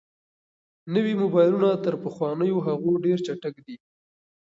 نوي موبایلونه تر پخوانیو هغو ډېر چټک دي.